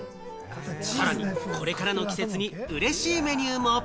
さらにこれからの季節にうれしいメニューも。